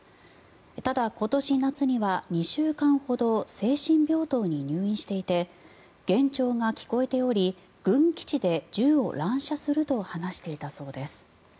ただ、今年夏には２週間ほど精神病棟に入院していて幻聴が聞こえており軍基地で銃を乱射すると話していたそうです。